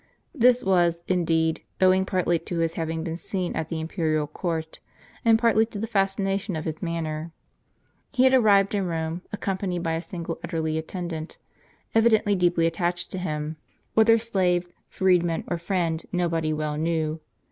This was, indeed, owing partly to his having been seen at the imperial court, and partly to the fascination of his manner. He had arrived in Rome accompanied by a single elderly attendant, evidently deeply attached to him ; whether slave, freedman, or friend, nobody well knew.